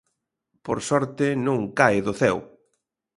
Por sorte, non cae do ceo.